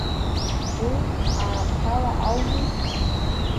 Уи аамҭала ауми.